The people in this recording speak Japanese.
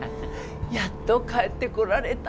やっと帰ってこられた。